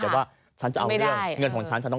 แต่ว่าฉันจะเอาเรื่องเงินของฉันฉันต้อง